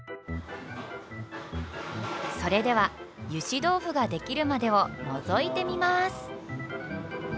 それではゆし豆腐が出来るまでをのぞいてみます。